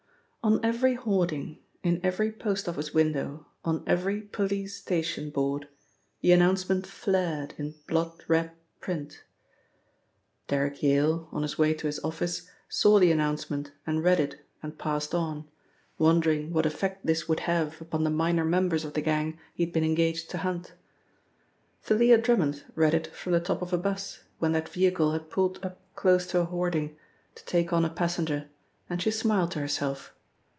On every hoarding, in every post office window, on every police station board, the announcement flared in blood red print. Derrick Yale, on his way to his office, saw the announcement and read it and passed on, wondering what effect this would have upon the minor members of the gang he had been engaged to hunt. Thalia Drummond read it from the top of a bus, when that vehicle had pulled up close to a hoarding, to take on a passenger, and she smiled to herself.